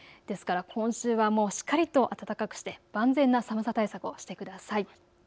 ですから今週はしっかりと暖かくして万全な寒さ対策をしてください。